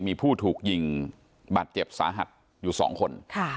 มีผู้ถูกยิงบาดเจ็บสาหัสอยู่๒คน